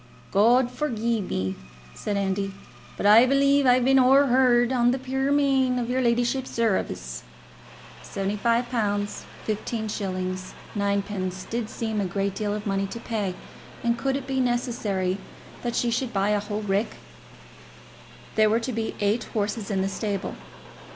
"God forgie me," said Andy, "but I b'lieve I've been o'er hard on the puir man in your leddyship's service." £75 15s. 9d. did seem a great deal of money to pay; and could it be necessary that she should buy a whole rick? There were to be eight horses in the stable.